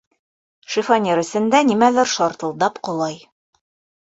Шифоньер эсендә нимәлер шартылдап ҡолай.